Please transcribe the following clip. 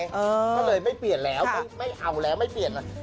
ก็เลยไม่เปลี่ยนแล้วไม่เอาแล้วไม่เปลี่ยนเลย